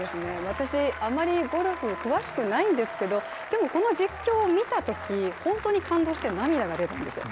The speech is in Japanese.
私、あまりゴルフが詳しくないんですけど、でも、この実況を見たとき、本当に感動して涙が出たんですよ。